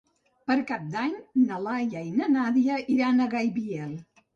Per Cap d'Any na Laia i na Nàdia iran a Gaibiel.